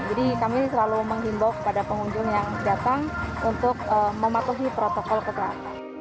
jadi kami selalu menghimbau kepada pengunjung yang datang untuk mematuhi protokol perkerakan